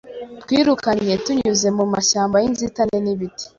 Twirukanye tunyuze mu mashyamba yinzitane n'ibiti